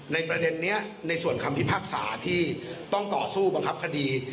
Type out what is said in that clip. ประเด็นนี้ในส่วนคำพิพากษาที่ต้องต่อสู้บังคับคดี